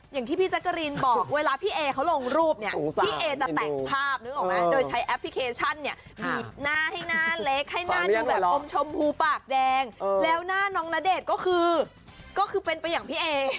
หน้าน้องณเดชน์ก็คือเป็นไปอย่างพี่เอ